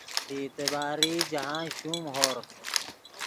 بی اعتباری جاہند شوم ہورغ